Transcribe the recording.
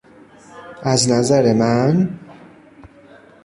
از نظر من